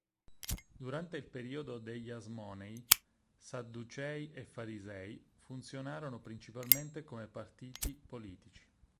Durante il periodo degli Asmonei, sadducei e farisei funzionarono principalmente come partiti politici.